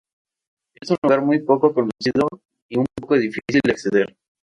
Es un lugar muy poco conocido y un poco difícil de acceder.